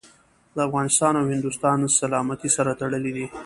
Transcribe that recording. د افغانستان او هندوستان سلامتي سره تړلي دي.